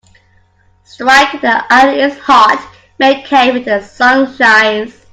Strike while the iron is hot Make hay while the sun shines.